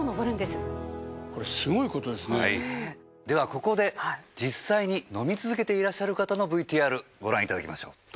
ではここで実際に飲み続けていらっしゃる方のＶＴＲご覧いただきましょう。